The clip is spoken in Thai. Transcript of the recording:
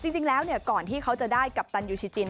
จริงแล้วก่อนที่เขาจะได้กัปตันยูชิจิน